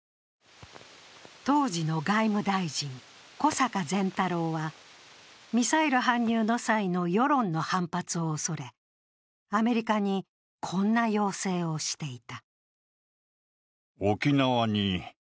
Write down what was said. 当時の外務大臣、小坂善太郎はミサイル搬入の際の世論の反発を恐れ、アメリカにこんな要請をしていた。